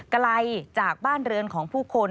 ไกลจากบ้านเรือนของผู้คน